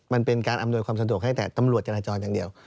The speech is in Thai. มันเป็นการอำนวยความสะดวกให้แต่ตำรวจจราจรอย่างเดียว